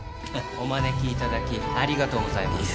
お招きいただきありがとうございます。